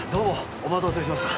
お待たせしました。